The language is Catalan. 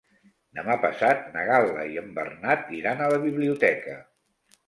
Demà passat na Gal·la i en Bernat iran a la biblioteca.